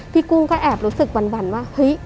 พี่กุ้งก็แอบรู้สึกหวั่นว่า